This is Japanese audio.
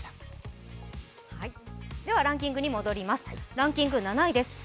ランキングに戻りますランキング７位です。